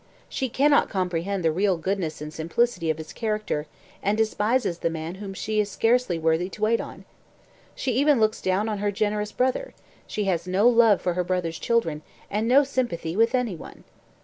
She cannot comprehend the real goodness and simplicity of his character, and despises the man whom she is scarcely worthy to wait on. She even looks down on her generous brother; she has no love for her brother's children, and no sympathy with anyone.